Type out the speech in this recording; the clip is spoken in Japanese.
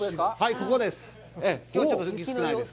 ここです。